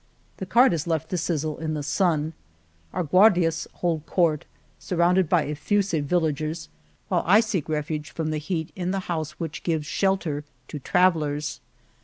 The cart is left to sizzle in the sun. Our Guardias hold court, surrounded by effusive villagers, while I seek refuge from the heat in the house which gives shelter to travel lers.